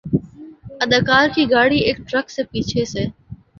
اداکارہ کی گاڑی ایک ٹرک سے پیچھے سے